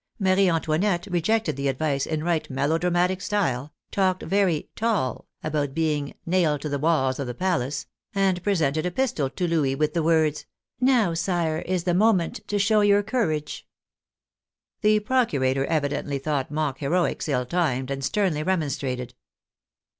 Marie Antoinette re jected the advice in right melo dramatic style, talked very " tall " about being " nailed to the walls of the pal ace," and presented a pistol to Louis with the words, " Now, sire, is the moment to show your courage." The procurator evidently thought mock heroics ill timed, and sternly remonstrated.